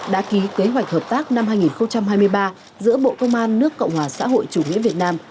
đã ký kế hoạch hợp tác năm hai nghìn hai mươi ba giữa bộ công an nước cộng hòa xã hội chủ nghĩa việt nam